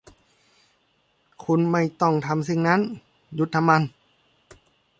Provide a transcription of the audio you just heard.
คุณไม่ต้องทำสิ่งนั้น หยุดทำมัน